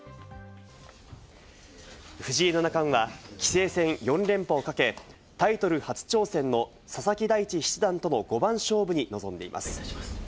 藤井七冠は棋聖戦４連覇をかけ、タイトル初挑戦の佐々木大地七段との五番勝負に臨んでいます。